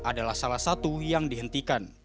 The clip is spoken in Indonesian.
adalah salah satu yang dihentikan